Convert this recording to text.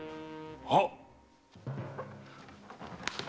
はっ！